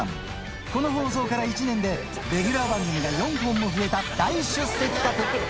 この放送から１年で、レギュラー番組が４本も増えた、大出世企画。